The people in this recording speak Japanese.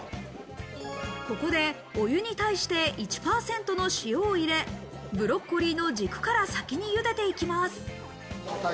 ここでお湯に対して１％の塩を入れ、ブロッコリーの軸から先に茹でていきます。